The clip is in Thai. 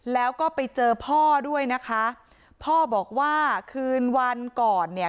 แล้วก็ไปเจอพ่อด้วยนะคะพ่อบอกว่าคืนวันก่อนเนี่ย